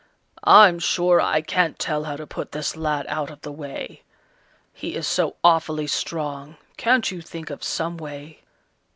"I'm sure I can't tell how to put this lad out of the way he is so awfully strong; can't you think of some way?"